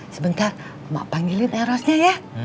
sebentar mak panggilin erosnya ya